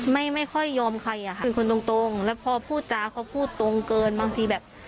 ไม่ค่อยยอมใครอ่ะค่ะเป็นคนตรงตรงแล้วพอพูดจาเขาพูดตรงเกินบางทีแบบ